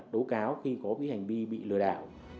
tố cáo khi có hành vi bị lừa đảo